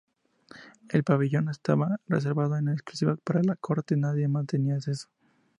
El pabellón estaba reservado en exclusiva para la Corte, nadie más tenía acceso.